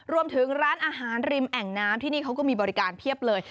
รวมถึงร้านอาหารริมแอ่งน้ำที่นี่เขาก็มีบริการเพียบเลย